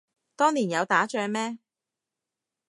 當年有打仗咩